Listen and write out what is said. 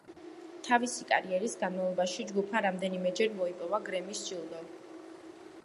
თავისი კარიერის განმავლობაში, ჯგუფმა რამდენიმეჯერ მოიპოვა გრემის ჯილდო.